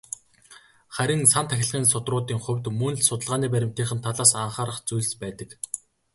Харин "сан тахилгын судруудын" хувьд мөн л судалгааны баримтынх нь талаас анхаарах зүйлс байдаг.